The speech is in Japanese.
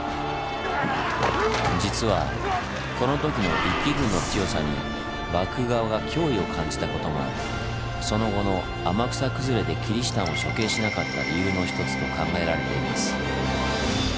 実はこの時の一揆軍の強さに幕府側が脅威を感じたこともその後の天草崩れでキリシタンを処刑しなかった理由のひとつと考えられています。